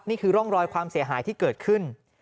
นี่คือร่องรอยความเสียหายที่เกิดขึ้น